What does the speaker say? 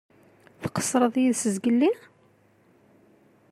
Tqeṣṣreḍ yid-s zgelli?